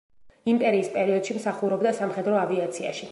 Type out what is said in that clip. იმპერიის პერიოდში მსახურობდა სამხედრო ავიაციაში.